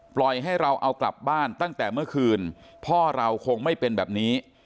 ปล่อยให้เราเอากลับบ้านตั้งแต่เมื่อคืนพ่อเราคงไม่เป็นแบบนี้